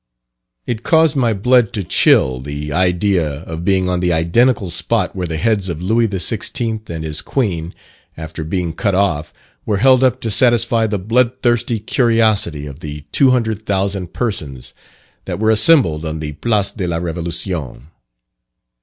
It caused my blood to chill, the idea of being on the identical spot where the heads of Louis XVI. and his Queen, after being cut off, were held up to satisfy the blood thirsty curiosity of the two hundred thousand persons that were assembled on the Place de la Revolution.